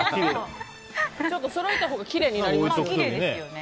そろえたほうがきれいになりますよ。